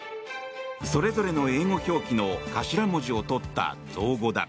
それぞれの英語表記の頭文字を取った造語だ。